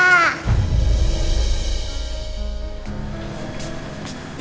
ia udah mati